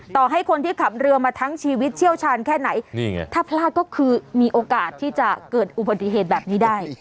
ต่อให้คนที่ขับเรือมาทั้งชีวิตเชี่ยวชาญแค่ไหนนี่ไงถ้าพลาดก็คือมีโอกาสที่จะเกิดอุบัติเหตุแบบนี้ได้